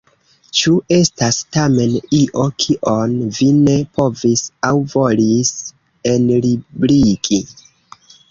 Ĉu estas tamen io kion vi ne povis aŭ volis enlibrigi?